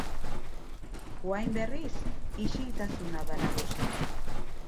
Orain, berriz, isiltasuna da nagusi.